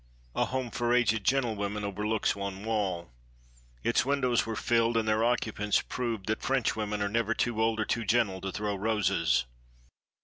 A home for aged gentlewomen overlooks one wall ... its windows were filled, and their occupants proved that Frenchwomen are never too old or too gentle to throw roses.